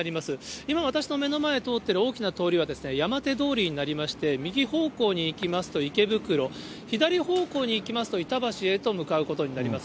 今、私の目の前を通ってる大きな通りは山手通りになりまして、右方向に行きますと池袋、左方向に行きますと板橋へと向かうことになります。